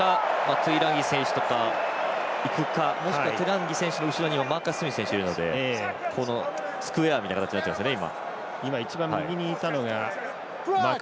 トゥイランギ選手がいくかもしくはトゥイランギ選手の後ろにもマーカス・スミス選手いるのでこのスクエアみたいな感じですよね。